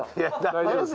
大丈夫です？